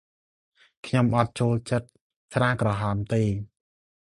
ខ្ញុំអត់ចូលចិត្តស្រាក្រហមទេ ។